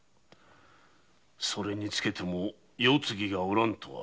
それにつけても世継ぎがおらんとは。